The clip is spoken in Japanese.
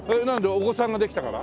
お子さんができたから？